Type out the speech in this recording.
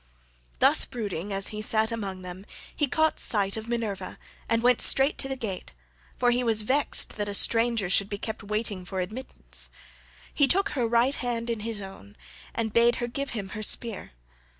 Thus brooding as he sat among them, he caught sight of Minerva and went straight to the gate, for he was vexed that a stranger should be kept waiting for admittance. He took her right hand in his own, and bade her give him her spear.